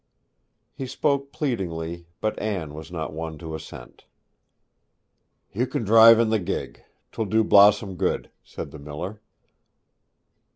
He spoke pleadingly, but Anne was not won to assent. 'You can drive in the gig; 'twill do Blossom good,' said the miller.